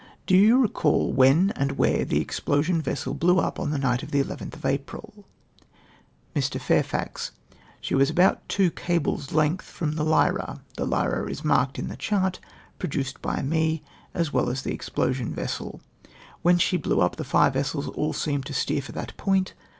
—" Do you recollect when and where the expl(j sion vessel hlew up on the night of the 11th of April ?" Mr. Fairfax. —" She was about two cables' length froni the Lyra. The Lyra is marked in the chart produced by me, as well as the explosion vessel. When she hleiu itp the fire vessels all seemed to steer for that 'point.